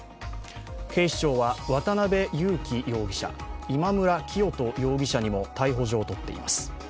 警視庁は渡辺優樹容疑者、今村磨人容疑者にも逮捕状を取っています。